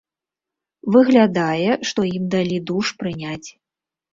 Выглядае, што ім далі душ прыняць.